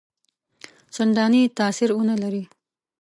څنداني تاثیر ونه لري.